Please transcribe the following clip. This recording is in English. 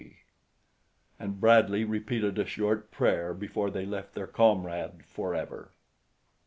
P. and Bradley repeated a short prayer before they left their comrade forever.